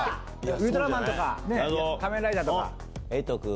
ウルトラマンとか仮面ライダーとか。